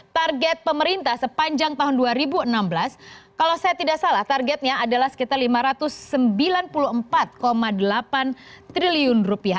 target pemerintah sepanjang tahun dua ribu enam belas kalau saya tidak salah targetnya adalah sekitar lima ratus sembilan puluh empat delapan triliun rupiah